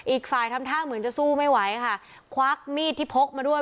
อีกฝ่ายทำท่าเหมือนจะสู้ไม่ไหวค่ะควักมีดที่พกมาด้วย